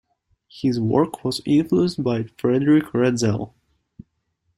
His work was influenced by Friedrich Ratzel.